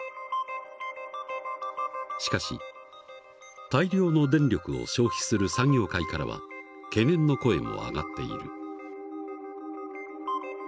しかし大量の電力を消費する産業界からは懸念の声も上がっている。